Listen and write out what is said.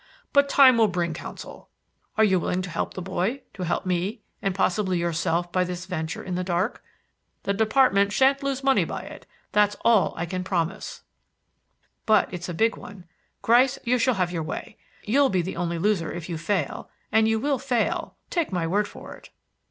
But time will bring counsel. Are you willing to help the boy, to help me and possibly yourself by this venture in the dark? The Department shan't lose money by it; that's all I can promise." "But it's a big one. Gryce, you shall have your way. You'll be the only loser if you fail; and you will fail; take my word for it."